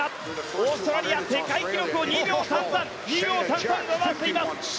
オーストラリア、世界記録を２秒３３上回っています。